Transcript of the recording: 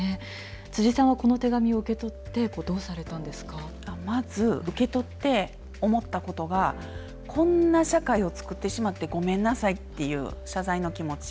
辻さんはこの手紙を受け取ってまず、受け取って思ったことがこんな社会を作ってしまってごめんなさいという謝罪の気持ち。